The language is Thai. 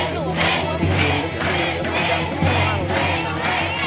เล่น